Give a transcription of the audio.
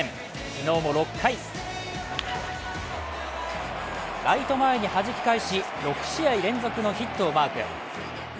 昨日も６回ライト前にはじき返し６試合連続のヒットをマーク。